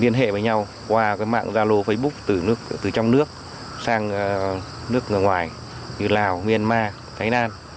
liên hệ với nhau qua mạng gia lô facebook từ trong nước sang nước ngoài như lào myanmar thái lan